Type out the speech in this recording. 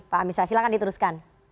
pak mirsya silahkan diteruskan